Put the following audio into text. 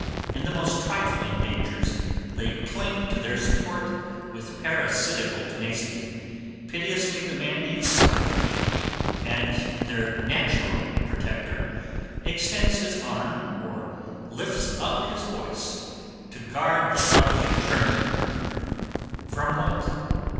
In the most trifling dangers they cling to their support, with parasitical tenacity, piteously demanding succour; and their NATURAL protector extends his arm, or lifts up his voice, to guard the lovely trembler from what?